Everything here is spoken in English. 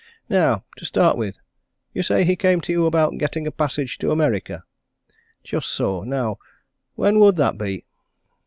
Now, to start with, you say he came to you about getting a passage to America? Just so now, when would that be?"